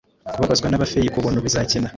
Kubabazwa naba feyi kubuntu bizakina